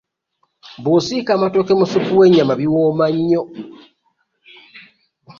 Bw'osiika amatooke ne ssupu w'ennyama biwooma nnyo.